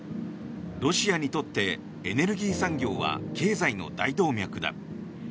ロシアにとってエネルギー産業は経済の大動脈だ。